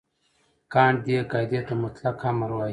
کانټ دې قاعدې ته مطلق امر وايي.